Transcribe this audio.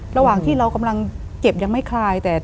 ระหว่างที่เรากำลังเจ็บยังไม่คลาย